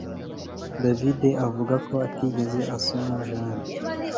David avuga ko atigeze asoma Jane